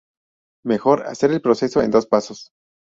mejor hacer el proceso en dos pasos